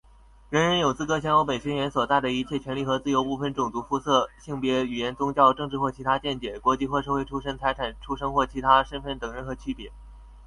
人人有资格享有本宣言所载的一切权利和自由,不分种族、肤色、性别、语言、宗教、政治或其他见解、国籍或社会出身、财产、出生或其他身分等任何区别。